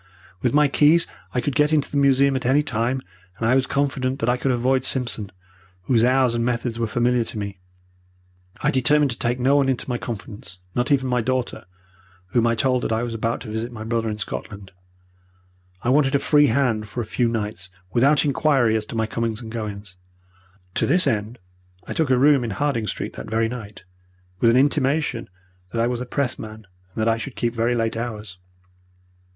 With my keys I could get into the museum at any time, and I was confident that I could avoid Simpson, whose hours and methods were familiar to me. I determined to take no one into my confidence not even my daughter whom I told that I was about to visit my brother in Scotland. I wanted a free hand for a few nights, without inquiry as to my comings and goings. To this end I took a room in Harding Street that very night, with an intimation that I was a Pressman, and that I should keep very late hours.